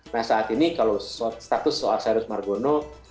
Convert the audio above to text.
nah saat ini kalau status soal serius margono